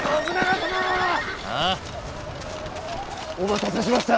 あ？お待たせしました。